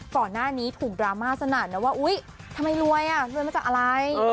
ก่อนหน้านี้ถูกดราม่าสนั่นนะว่าอุ๊ยทำไมรวยอ่ะรวยมาจากอะไร